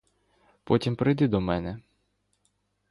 Потім прийди до мене.